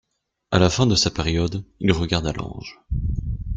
A la fin de sa période, il regarda l'ange.